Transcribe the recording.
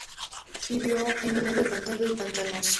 Vivió en húmedo y pantanoso.